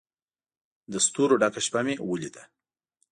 له ستورو ډکه شپه مې ولیده